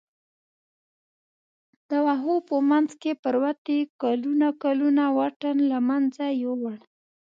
د وښو په منځ کې پروتې کلونه کلونه واټن له منځه یووړ.